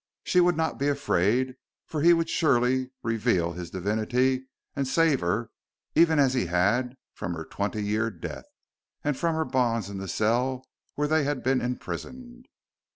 She would not be afraid, for he would surely reveal his divinity, and save her, even as he had from her twenty year death, and from her bonds in the cell where they had been imprisoned....